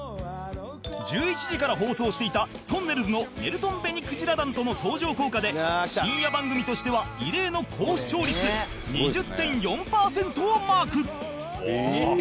１１時から放送していたとんねるずの『ねるとん紅鯨団』との相乗効果で深夜番組としては異例の高視聴率 ２０．４ パーセントをマークえっ！？